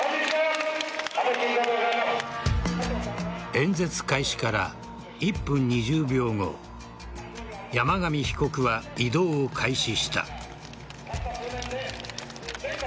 演説開始から１分２０秒後山上被告は移動を開始した。